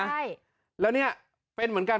ใช่แล้วเนี่ยเป็นเหมือนกัน